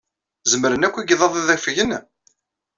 Zemren akk yegḍaḍ ad afgen?